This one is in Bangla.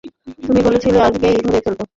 তুমি বলেছিলে আজকেই ধরে ফেলব।